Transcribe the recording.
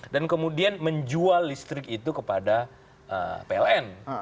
kemudian menjual listrik itu kepada pln